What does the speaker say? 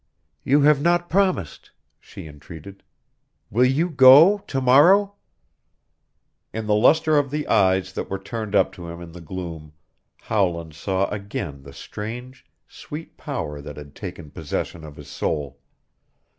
"You have not promised," she entreated. "Will you go to morrow?" In the luster of the eyes that were turned up to him in the gloom Howland saw again the strange, sweet power that had taken possession of his soul.